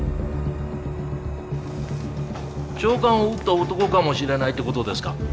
長官を撃った男かもしれないって事ですか？